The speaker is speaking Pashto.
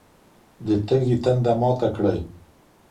د تږي تنده ماته کړئ.